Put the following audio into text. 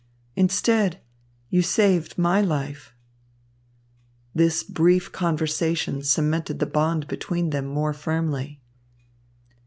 Instead, you saved my life." This brief conversation cemented the bond between them more firmly.